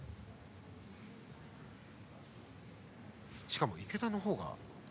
しかも池田の方が。